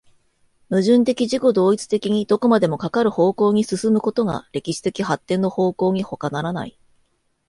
矛盾的自己同一的にどこまでもかかる方向に進むことが歴史的発展の方向にほかならない。